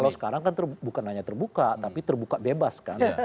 kalau sekarang kan bukan hanya terbuka tapi terbuka bebas kan